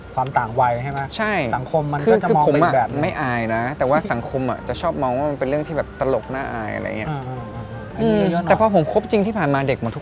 ความต่างวัยใช่ไหม